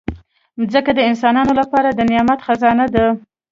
مځکه د انسانانو لپاره د نعمت خزانه ده.